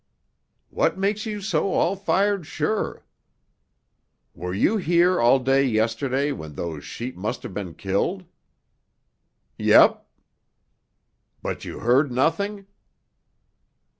"What makes you so all fired sure?" "Were you here all day yesterday, when those sheep must have been killed?" "Yep." "But you heard nothing?"